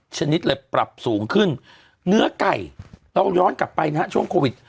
ชนิดเลยปรับสูงขึ้นเนื้อไก่เราย้อนกลับไปนะฮะช่วงโควิด